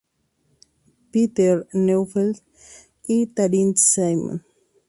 Peter Neufeld y Taryn Simon.